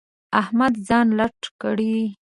احمد ځان لټ کړی.